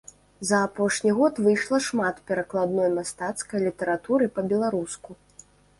За апошні год выйшла шмат перакладной мастацкай літаратуры па-беларуску.